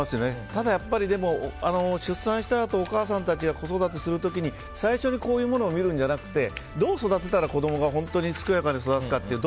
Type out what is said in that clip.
ただ、出産したあとお母さんたちが子育てする時に最初にこういうものを見るんじゃなくてどう育てたら子供が健やかに育つかっていう。